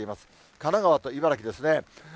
神奈川と茨城ですね。